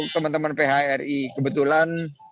teman teman phri kebetulan